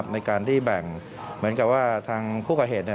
ในการที่แบ่งเหมือนกับว่าทางผู้ก่อเหตุเนี่ย